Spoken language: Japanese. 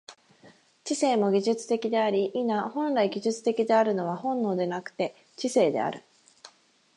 知性も技術的であり、否、本来技術的であるのは本能でなくて知性である。